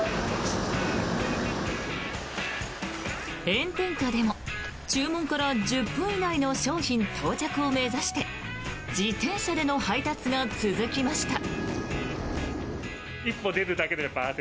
炎天下でも注文から１０分以内の商品到着を目指して自転車での配達が続きました。